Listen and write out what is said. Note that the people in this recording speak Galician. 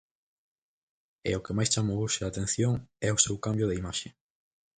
E o que máis chamou hoxe a atención é o seu cambio de imaxe.